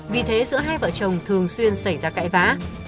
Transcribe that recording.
vì thế giữa hai vợ chồng thường xuyên xảy ra cãi vã